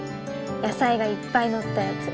野菜がいっぱい乗ったやつ。